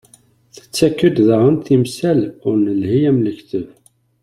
Tettak-d daɣen timsal ur nelhi am lekteb.